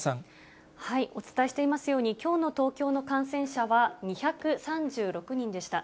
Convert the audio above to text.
お伝えしていますように、きょうの東京の感染者は２３６人でした。